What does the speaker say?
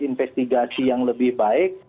integrasi yang lebih baik